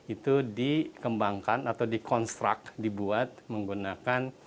itu dikembangkan atau dikonstruk dibuat menggunakan